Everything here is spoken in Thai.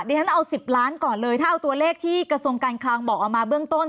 ฉันเอา๑๐ล้านก่อนเลยถ้าเอาตัวเลขที่กระทรวงการคลังบอกเอามาเบื้องต้น